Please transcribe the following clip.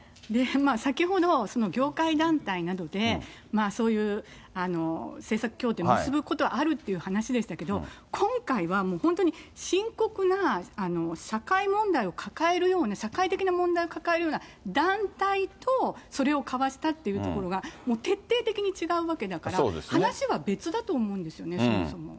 先ほど、業界団体などでそういう政策協定を結ぶことはあるっていう話でしたけれども、今回はもう本当に深刻な社会問題を抱えるような社会的な問題を抱えるような団体とそれを交わしたっていうところが、徹底的に違うわけだから、話は別だと思うんですよね、そもそも。